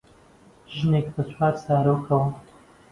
ژنێکە بە چوار زارۆکەوە